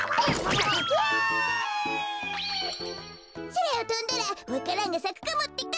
「そらをとんだらわか蘭がさくかもってか」